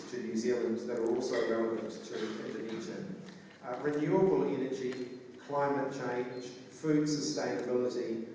jadi kami berharap untuk meneruskan perjalanan dan kolaborasi